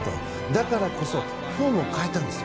だからこそフォームを変えたんです。